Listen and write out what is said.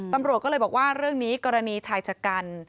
ตำรวจก็เลยบอกว่าเรื่องนี้กรณีชายชะกัน